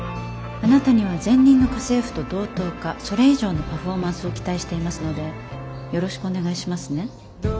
あなたには前任の家政婦と同等かそれ以上のパフォーマンスを期待していますのでよろしくお願いしますね。